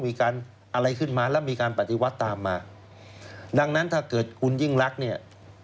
มีการอะไรขึ้นมาแล้วมีการปฏิวัติตามมาดังนั้นถ้าเกิดคุณยิ่งรักเนี่ย